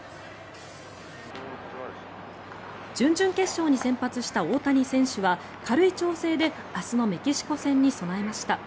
準々決勝に先発した大谷選手は軽い調整で明日のメキシコ戦に備えました。